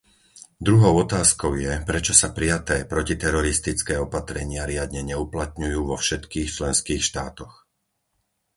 Druhou otázkou je, prečo sa prijaté protiteroristické opatrenia riadne neuplatňujú vo všetkých členských štátoch?